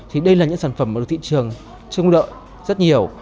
thì đây là những sản phẩm mà được thị trường chứng lợi rất nhiều